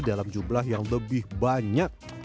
dalam jumlah yang lebih banyak